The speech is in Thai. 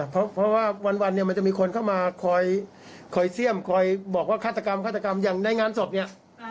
เพราะวันมันจะมีคนเข้ามาคอยเสี่ยมคอยบอกว่าฆาตกรรมอย่างในงานสอบนี้